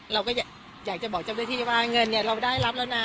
เราก็อยากจะบอกเจ้าหน้าที่ว่าเงินเนี่ยเราได้รับแล้วนะ